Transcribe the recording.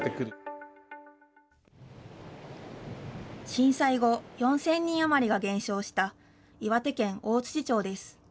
震災後、４０００人余りが減少した岩手県大槌町です。